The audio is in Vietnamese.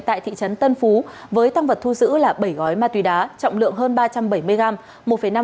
tại thị trấn tân phú với tăng vật thu giữ là bảy gói ma túy đá trọng lượng hơn ba trăm bảy mươi gram